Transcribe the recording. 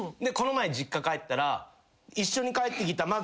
この前実家帰ったら一緒に帰ってきた。